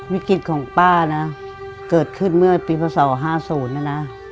วิกฤตของป้านะเกิดขึ้นเมื่อปีพศ๕๐นะนะ